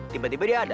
tiba tiba dia ada